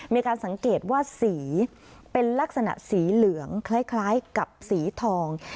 มีการสังเกตว่าสีเป็นลักษณะสีเหลืองคล้ายกับสีทอง